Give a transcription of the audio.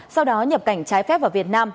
sau đó nhập cảnh trái phép vào việt nam